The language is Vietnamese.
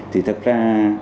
thì thật ra